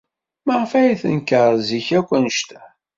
Maɣef ay d-tenker zik akk anect-a?